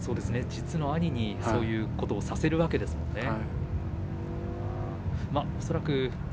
実の兄にそういうことをさせるわけですもんね恐らく。